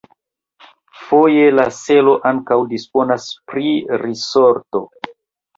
Foje la selo ankaŭ disponas pri risorto.